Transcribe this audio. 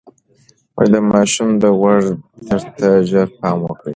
د ماشوم د غوږ درد ته ژر پام وکړئ.